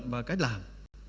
và cách làm